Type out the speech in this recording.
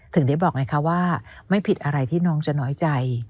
ถึงได้บอกไงคะว่าไม่ผิดอะไรที่น้องจะน้อยใจ